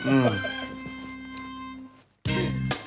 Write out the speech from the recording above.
อืม